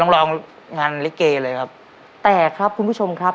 ลองงานลิเกเลยครับแต่ครับคุณผู้ชมครับ